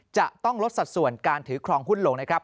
จะต้องลดสัดส่วนการถือครองหุ้นลงนะครับ